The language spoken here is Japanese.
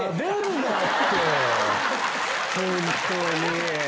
本当に！